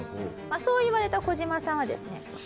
そう言われたコジマさんはですね